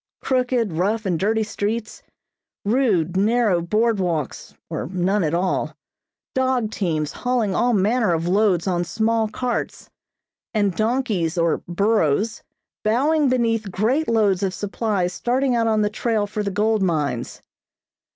Crooked, rough and dirty streets; rude, narrow board walks or none at all; dog teams hauling all manner of loads on small carts, and donkeys or "burros" bowing beneath great loads of supplies starting out on the trail for the gold mines.